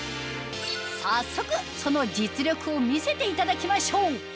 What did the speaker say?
早速その実力を見せていただきましょう